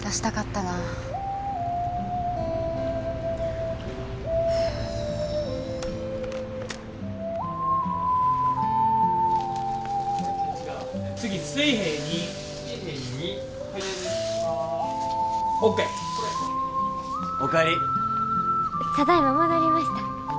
ただいま戻りました。